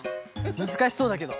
むずかしそうだけど。